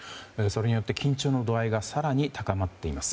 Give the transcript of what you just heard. それによって緊張の度合いが更に高まっています。